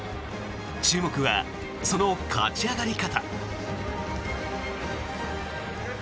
注目はその勝ち上がり方。